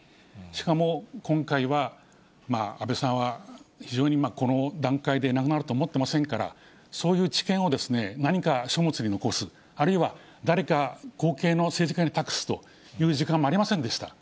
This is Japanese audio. しかも今回は安倍さんは非常にこの段階で亡くなると思ってませんから、そういう知見を何か書物に残す、あるいは誰か後継の政治家に託すという時間もありませんでした。